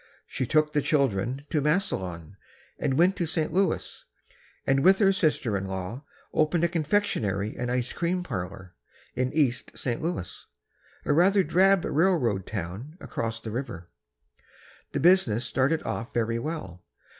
She took the children to Massillon, went to St. Louis, and with her sister in law, opened a confectionery and ice cream parlor, in East St. Louis, a rather drab railroad town across the river. The business started off very well.